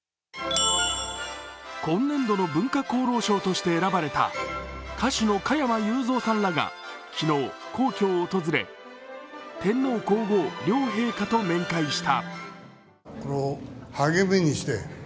今年度の文化功労賞として選ばれた歌手の加山雄三さんらが昨日、皇居を訪れ、天皇・皇后両陛下と面会した。